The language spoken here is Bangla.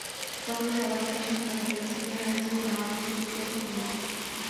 তখন সবার কাছে শুনতাম, ভালো সিনিয়র আইনজীবী পাওয়া নাকি ভীষণ ঝামেলার।